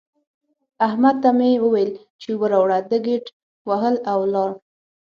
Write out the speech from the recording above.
احمد ته مې وويل چې اوبه راوړه؛ ده ګيت وهل او ولاړ.